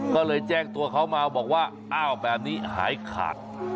ก็เลยแจ้งตัวเขามาบอกว่าอ้าวแบบนี้หายขาด